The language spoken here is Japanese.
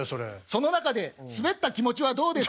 「その中でスベった気持ちはどうですか？」。